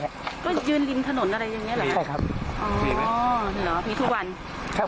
ก็ยืนริมถนนอะไรอย่างเงี้เหรอฮะใช่ครับอ๋อเหรอพี่ทุกวันครับ